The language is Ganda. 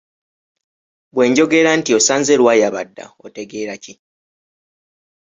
Bwe njogera nti osanze lwayaba dda otegeera ki?